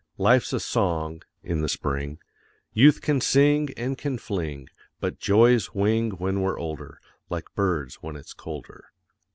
Life's a song; In the spring Youth can sing and can fling; But joys wing When we're older, Like birds when it's colder.